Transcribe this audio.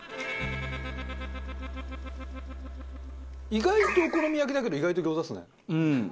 意外とお好み焼きだけど意外と餃子っすね。